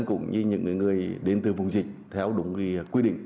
cũng như những người đến từ vùng dịch theo đúng quy định